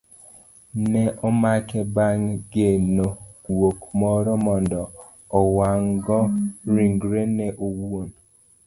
Ne omake bang' nego guok moro mondo owang'go ringrene owuon